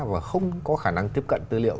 và không có khả năng tiếp cận tư liệu